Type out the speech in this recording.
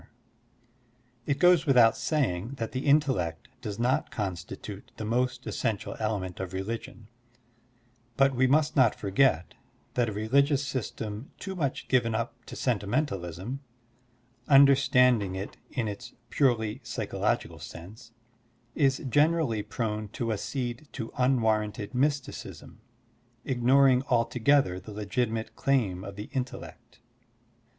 Digitized by Google 82 SERMONS OF A BUDDHIST ABBOT It goes without saying that the intellect does not constitute the most essential element of religion, but we must not forget that a religious system too much given up to sentimentalism (understanding it in its purely psychological sense) is generally prone to accede to unwar ranted mysticism, ignoring altogether the legit imate claim of the intellect.